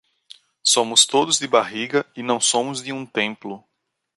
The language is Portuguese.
Somos todos de barriga e não somos de um "templo".